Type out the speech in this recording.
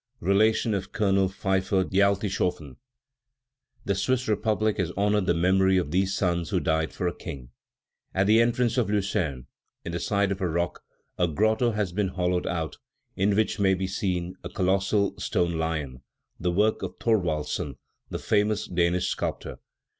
(Relation of Colonel Pfyffer d'Altishoffen.) The Swiss republic has honored the memory of these sons who died for a king. At the entrance of Lucerne, in the side of a rock, a grotto has been hollowed out, in which may be seen a colossal stone lion, the work of Thorwaldsen, the famous Danish sculptor.